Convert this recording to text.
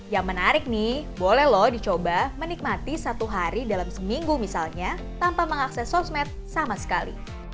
yang menarik nih boleh loh dicoba menikmati satu hari dalam seminggu misalnya tanpa mengakses sosmed sama sekali